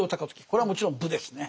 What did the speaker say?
これはもちろん武ですね。